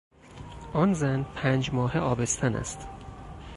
آن زن پنج ماهه آبستن است.